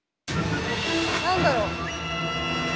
何だろう？